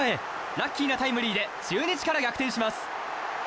ラッキーなタイムリーで中日から逆転します。